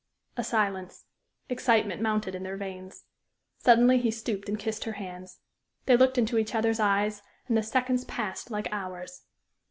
A silence. Excitement mounted in their veins. Suddenly he stooped and kissed her hands. They looked into each other's eyes, and the seconds passed like hours.